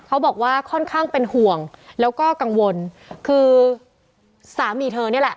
เขาบอกว่าค่อนข้างเป็นห่วงแล้วก็กังวลคือสามีเธอนี่แหละ